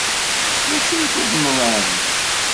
D acu i tuḍneḍ ɛni?